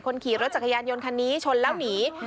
ขี่รถจักรยานยนต์คันนี้ชนแล้วหนี